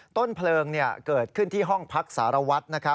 ต้นเพลิงเกิดขึ้นที่ห้องพักสารวัตร